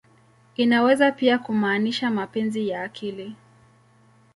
Inaweza pia kumaanisha "mapenzi ya akili.